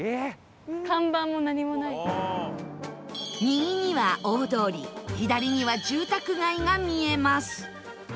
右には大通り左には住宅街が見えます